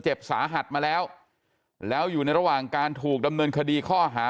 เจ็บสาหัสมาแล้วแล้วอยู่ในระหว่างการถูกดำเนินคดีข้อหา